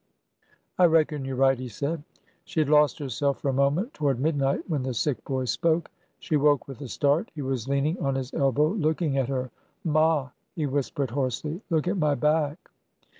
" I reckon you 're right," he said. She had lost herself for a moment toward midnight, when the sick boy spoke. She woke with a start. He was leaning on his elbow looking at her. " Ma !" he whispered hoarsely, " look at my back